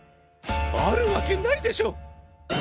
あるわけないでしょ！